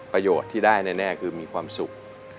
ประโยชน์ที่ได้แน่คือมีความสุข